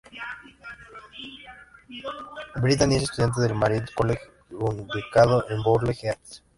Brittany es estudiante del Marymount College, ubicado en Burleigh Heads.